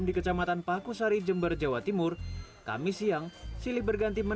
dinilai membuat beberapa siswa mengundurkan diri